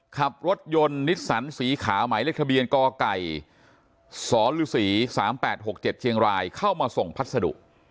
ขับรถยนต์นิสสันสีขาวหมายเลขทะเบียนกไก่สฤ๓๘๖๗เชียงรายเข้ามาส่งพัสดุ